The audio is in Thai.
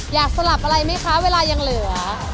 อยากสลับอะไรมั้ยคะเวลายังเหลือ